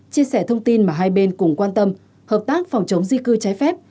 chia sẻ thông tin mà hai bên cùng quan tâm hợp tác phòng chống di cư trái phép